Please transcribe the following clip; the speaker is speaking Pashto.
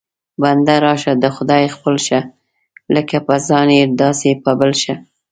بنده راشه د خدای خپل شه، لکه په ځان یې داسې په بل شه